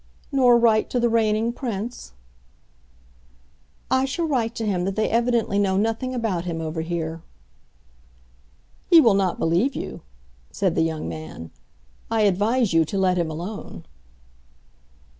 "Nor write to the Reigning Prince?" "I shall write to him that they evidently know nothing about him over here." "He will not believe you," said the young man. "I advise you to let him alone."